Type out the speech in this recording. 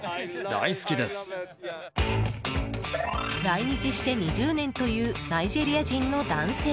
来日して２０年というナイジェリア人の男性。